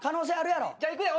じゃあいくよ